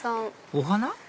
お花？